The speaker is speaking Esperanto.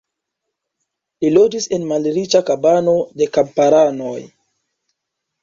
Li loĝis en malriĉa kabano de kamparanoj.